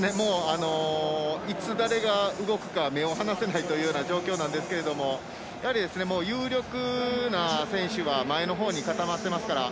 いつ誰が動くか目を離せないという状況なんですけれども有力な選手は前のほうに固まっていますから。